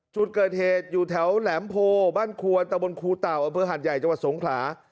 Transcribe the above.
จุดเกิดเหตุอยู่แถวแหลมโพบ้านควนตะบนครูเต่าอำเภอหัดใหญ่จังหวัดสงขลา